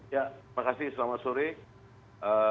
ya terima kasih selamat sore